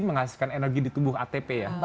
menghasilkan energi di tubuh atp ya